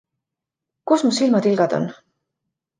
Kus mu silmatilgad on?